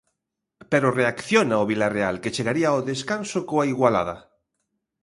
Pero reacciona o Vilarreal que chegaría ao descanso coa igualada.